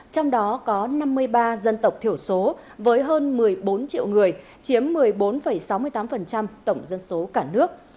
trong đó có năm mươi ba dân tộc thiểu số với hơn một mươi bốn triệu người chiếm một mươi bốn sáu mươi tám tổng dân số cả nước